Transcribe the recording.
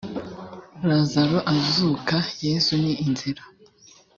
lazaro azuka yesu ni inzira